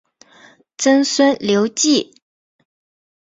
曾孙刘洎。